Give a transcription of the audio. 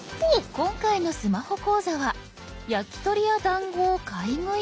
今回のスマホ講座は焼き鳥や団子を買い食い。